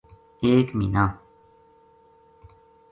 ایک مہینہ